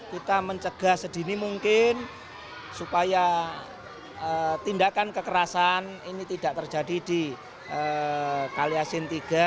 kita mencegah sedini mungkin supaya tindakan kekerasan ini tidak terjadi di kaliasin tiga